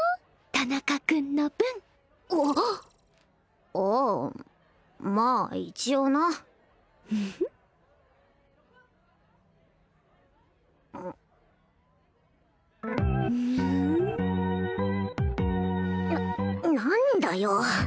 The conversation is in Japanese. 田中君の分ああまあ一応なな何だよ